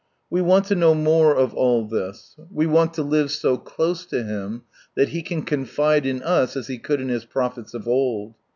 We want to know more of all this. We want to live so close to Him that He can confide in us, as He could in His prophets of old.